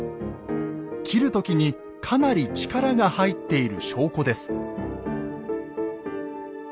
斬る時にかなり力が入っている証拠です。